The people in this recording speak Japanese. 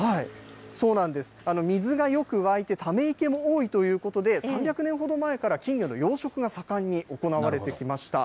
水がよく湧いて、ため池も多いということで、３００年ほど前から金魚の養殖が盛んに行われてきました。